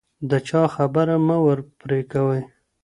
د چا خبره مه ور پرې کوئ.